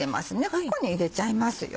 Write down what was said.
ここに入れちゃいますよ。